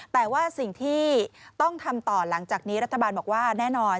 แต่ว่าสิ่งที่ต้องทำต่อหลังจากนี้รัฐบาลบอกว่าแน่นอน